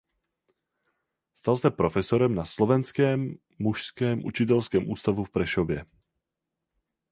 Stal se profesorem na "Slovenském mužském učitelském ústavu v Prešově".